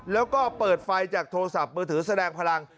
แล้วก็เปิดไฟจากโทรศัพท์มือถือแสดงพลัง